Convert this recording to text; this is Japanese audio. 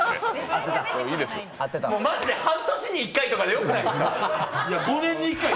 マジで半年に一回とかでよくないですか？